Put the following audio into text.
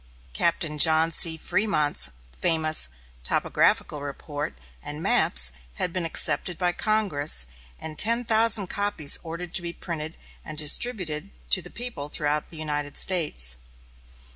Captain John C. Frémont's famous topographical report and maps had been accepted by Congress, and ten thousand copies ordered to be printed and distributed to the people throughout the United States.